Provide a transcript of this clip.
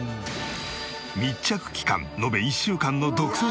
密着期間延べ１週間の独占取材。